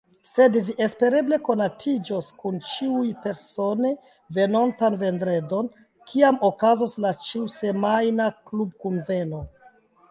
Sed vi espereble konatiĝos kun ĉiuj persone venontan vendredon, kiam okazos la ĉiusemajna klubkunveno.